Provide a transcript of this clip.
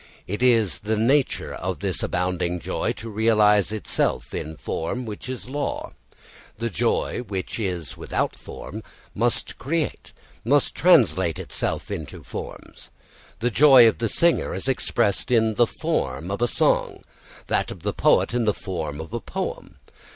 It is the nature of this abounding joy to realise itself in form which is law. The joy, which is without form, must create, must translate itself into forms. The joy of the singer is expressed in the form of a song, that of the poet in the form of a poem.